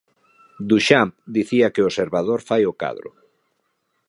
Duchamp dicía que o observador fai o cadro.